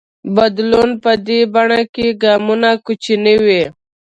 بدلون په دې بڼه کې ګامونه کوچني وي.